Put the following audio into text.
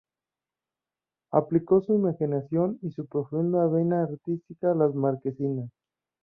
Aplicó su imaginación y su profunda vena artística a las marquesinas.